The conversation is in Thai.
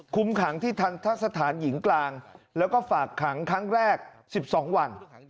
ขังที่ทันทะสถานหญิงกลางแล้วก็ฝากขังครั้งแรก๑๒วัน